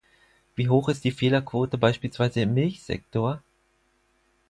Wie hoch ist die Fehlerquote beispielsweise im Milchsektor?